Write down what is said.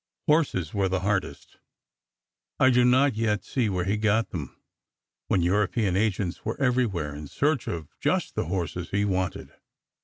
Horses were the hardest. I do not yet see where he got them, when European agents were everywhere in search of just the horses he wanted.